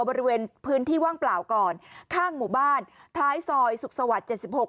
บริเวณพื้นที่ว่างเปล่าก่อนข้างหมู่บ้านท้ายซอยสุขสวรรค์๗๖